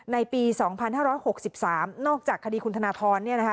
ในปี๒๕๖๓นอกจากคดีคุณธนทร